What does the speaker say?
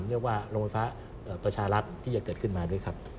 เรียกว่าโรงไฟฟ้าประชารัฐที่จะเกิดขึ้นมาด้วยครับ